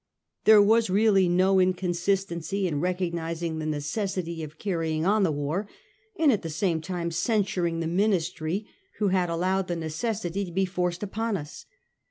There was really no in consistency in recognising the necessity of carrying on the war, and at the same time censuring the Ministry who had allowed the necessity to be forced upon us.